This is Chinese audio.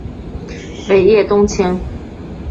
尾叶冬青